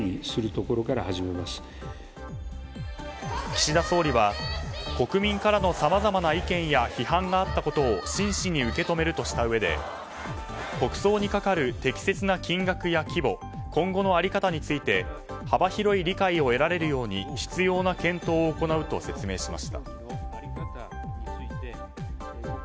岸田総理は国民からのさまざまな意見や批判があったことを真摯に受け止めるとしたうえで国葬にかかる適切な金額や規模今後の在り方について幅広い理解を得られるように必要な検討を行うと説明しました。